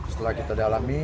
setelah kita dalam